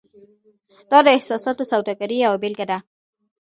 دا د احساساتو سوداګرۍ یوه بیلګه ده.